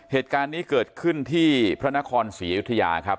เหตุการณ์นี้เกิดขึ้นที่พระนครศรีอยุธยาครับ